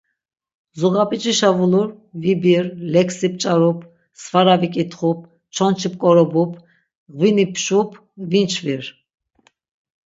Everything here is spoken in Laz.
Zuğap̆icişa vulur, vibir, leksi p̆ç̆arup, svara vik̆itxup, çonçi p̆k̆orobup, ğvini pşup, vinçvir.